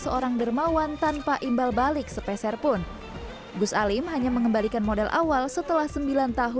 seorang dermawan tanpa imbal balik sepeserpun gus alim hanya mengembalikan modal awal setelah sembilan tahun